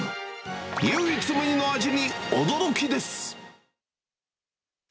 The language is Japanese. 唯一無二の味に驚きです。